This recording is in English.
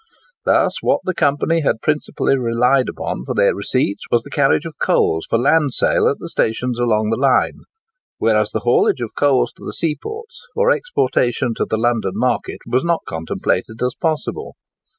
Thus, what the company had principally relied upon for their receipts was the carriage of coals for land sale at the stations along the line, whereas the haulage of coals to the seaports for exportation to the London market was not contemplated as possible.